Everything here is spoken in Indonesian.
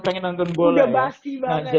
pengen nonton bola ya